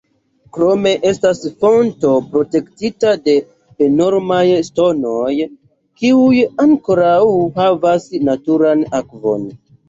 Krome estas fonto protektita de enormaj ŝtonoj, kiuj ankoraŭ havas naturan akvon.